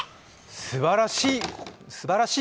あっ、すばらしい！